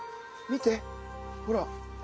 見てほら。